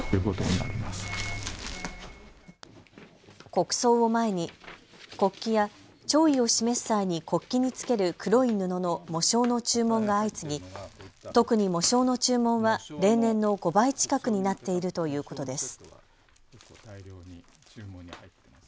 国葬を前に国旗や弔意を示す際に国旗に付ける黒い布の喪章の注文が相次ぎ特に喪章の注文は例年の５倍近くになっているということです。